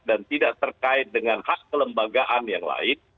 dan tidak terkait dengan hak kelembagaan yang lain